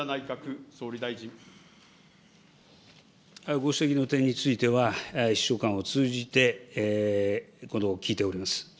ご指摘の点については、秘書官を通じて聞いております。